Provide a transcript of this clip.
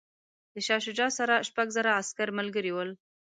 د شاه شجاع سره شپږ زره عسکر ملګري ول.